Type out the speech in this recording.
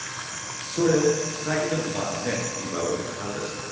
それ最近でもまあねリバイバルってかかったりするから。